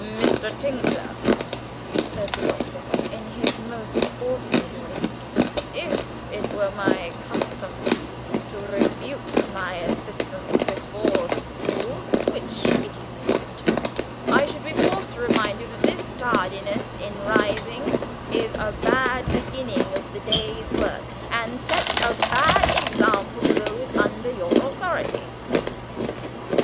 "Mr. Tinkler," said the Doctor in his most awful voice, "if it were my custom to rebuke my assistants before the school (which it is not), I should feel forced to remind you that this tardiness in rising is a bad beginning of the day's work, and sets a bad example to those under your authority."